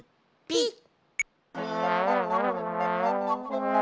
ピッ！